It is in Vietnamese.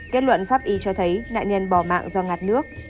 kết luận pháp y cho thấy nạn nhân bỏ mạng do ngặt nước